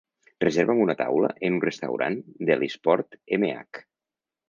Reserva'm una taula en un restaurant d'Ellisport, MH.